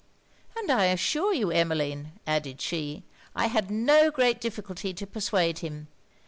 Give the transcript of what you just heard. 'And I assure you Emmeline,' added she, 'I had no great difficulty to persuade him.